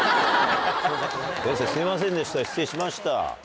先生すいませんでした失礼しました。